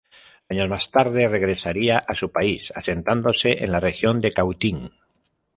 Años más tarde regresarían a su país, asentándose en la región de Cautín.